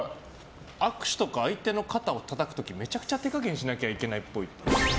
握手とか相手の肩をたたく時めちゃくちゃ手加減しなきゃいけないっぽい。